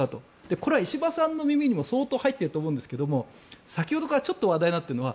これは石破さんの耳にも相当入っていると思うんですが先ほどからちょっと話題になっているのは